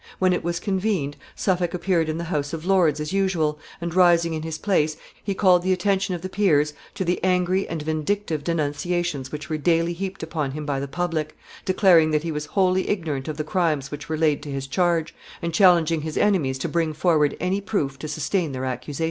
When it was convened, Suffolk appeared in the House of Lords as usual, and, rising in his place, he called the attention of the peers to the angry and vindictive denunciations which were daily heaped upon him by the public, declaring that he was wholly ignorant of the crimes which were laid to his charge, and challenging his enemies to bring forward any proof to sustain their accusations.